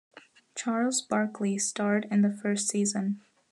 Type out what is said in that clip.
Charles Barkley starred in the first season.